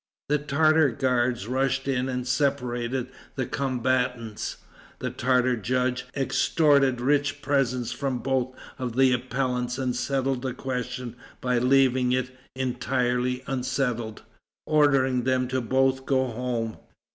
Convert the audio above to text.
The Tartar guard rushed in and separated the combatants. The Tartar judge extorted rich presents from both of the appellants and settled the question by leaving it entirely unsettled, ordering them both to go home.